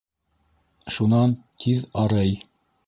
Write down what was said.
Шунан тиҙ арый!...